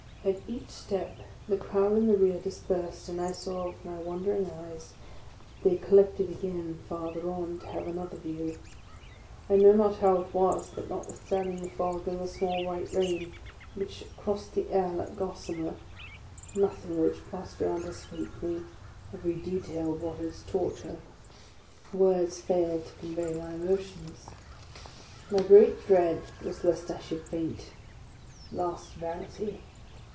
At each step the crowd in the rear dispersed; and I saw, with my wandering eyes, that they collected again farther on, to have another view. I know not how it was, that, notwithstanding the fog and the small white rain which crossed the air like gossamer, nothing which passed around escaped me; every detail brought its torture: OF A CONDEMNED 97 words fail to convey my emotions. My great dread was lest I should faint. Last vanity